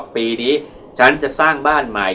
ปีนี้ฉันจะสร้างบ้านใหม่